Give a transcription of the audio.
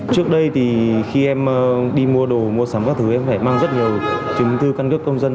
trước đây thì khi em đi mua đồ mua sắm các thứ em phải mang rất nhiều chứng tư căn cước công dân